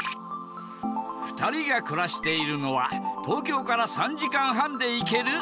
２人が暮らしているのは東京から３時間半で行ける